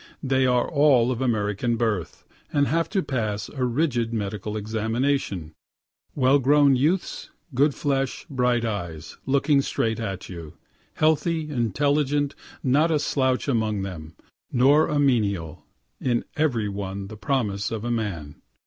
They are all of American birth, and have to pass a rigid medical examination; well grown youths, good flesh, bright eyes, looking straight at you, healthy, intelligent, not a slouch among them, nor a menial in every one the promise of a man.